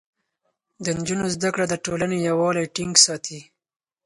د نجونو زده کړه د ټولنې يووالی ټينګ ساتي.